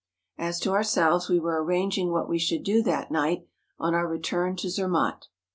As to ourselves we were arranging what we should do that night on our return to Zermatt.